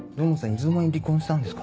いつの間に離婚したんですか？